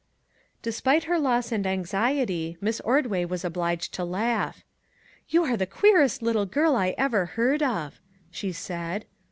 " Despite her loss and anxiety, Miss Ordway was obliged to laugh. " You are the queerest little girl I ever heard of !" she said.